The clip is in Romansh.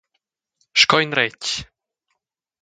Sco in retg.